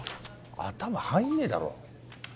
頭入んねえだろ？